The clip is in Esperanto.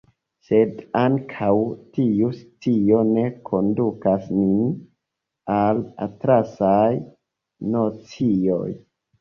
Sed ankaŭ tiu scio ne kondukas nin al atlasaj nocioj.